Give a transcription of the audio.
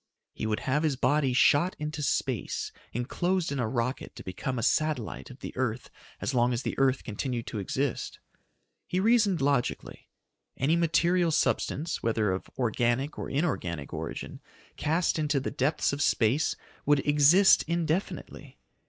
He would have his body shot into space enclosed in a rocket to become a satellite of the earth as long as the earth continued to exist. He reasoned logically. Any material substance, whether of organic or inorganic origin, cast into the depths of space would exist indefinitely.